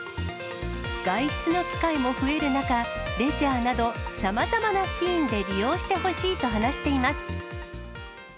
外出の機会も増える中、レジャーなどさまざまなシーンで利用してほしいと話しています。